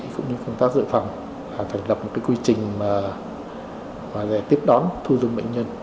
cũng như công tác dự phòng thành lập một quy trình tiếp đón thu dung bệnh nhân